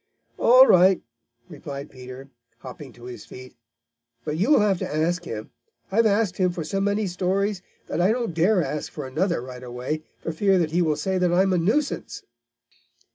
"All right," replied Peter, hopping to his feet. "But you'll have to ask him. I've asked him for so many stories that I don't dare ask for another right away, for fear that he will say that I am a nuisance."